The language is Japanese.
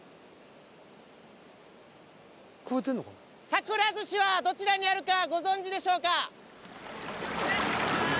サクラズシはどちらにあるかご存じでしょうか？